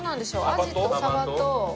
アジとサバと。